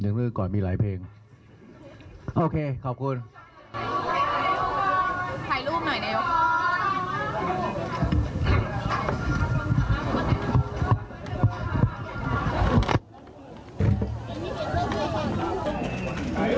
นะผลเอา